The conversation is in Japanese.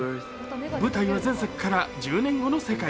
舞台は前作から１０年後の世界。